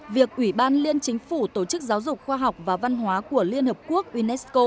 việc ủy ban liên chính phủ tổ chức giáo dục khoa học và văn hóa của liên hợp quốc unesco